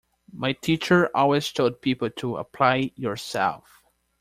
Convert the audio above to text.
My teacher always told people to "apply yourself!".